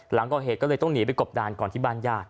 หลังก่อเหตุก็เลยต้องหนีไปกบดานก่อนที่บ้านญาติ